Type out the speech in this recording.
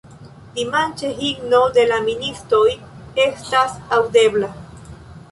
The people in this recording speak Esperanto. Dimanĉe himno de la ministoj estas aŭdebla.